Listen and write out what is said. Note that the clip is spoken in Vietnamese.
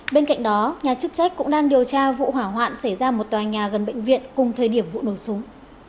bên cạnh đó nhà chức trách cũng đang điều tra vụ hỏa hoạn xảy ra một tòa nhà gần bệnh viện cùng thời điểm vụ nổ súng